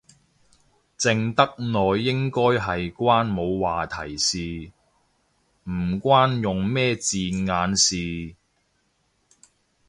靜得耐應該係關冇話題事，唔關用咩字眼事